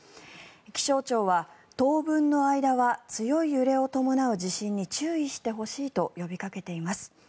気象庁は当分の間は強い揺れを伴う地震に注意してほしいと呼びかけています。